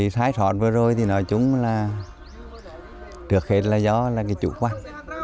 thái thoát vừa rồi thì nói chung là trước hết là do chủ quán